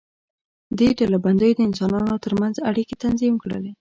دې ډلبندیو د انسانانو تر منځ اړیکې تنظیم کړې.